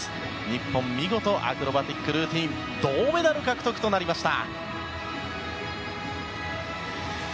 日本、見事アクロバティックルーティン銅メダル獲得となりました！